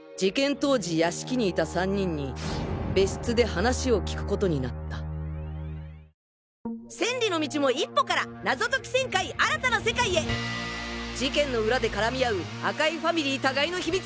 当時屋敷にいた３人に別室で話を聞くことになった千里の道も一歩から謎解き１０００回新たな世界へ事件の裏で絡み合う赤井ファミリー互いの秘密